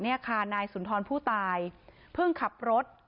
นายสุนทรพูดตายพึ่งขับรถ